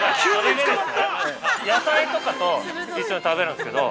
◆野菜とかと一緒に食べるんですけど。